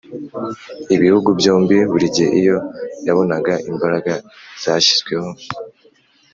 ibihugu byombi, buri gihe iyo yabonaga imbaraga zashyizweho